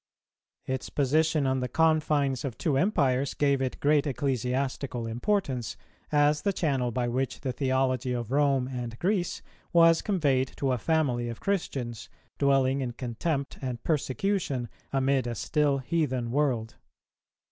[291:3] Its position on the confines of two empires gave it great ecclesiastical importance, as the channel by which the theology of Rome and Greece was conveyed to a family of Christians, dwelling in contempt and persecution amid a still heathen world.